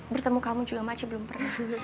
bertemu kamu juga masih belum pernah